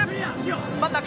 真ん中。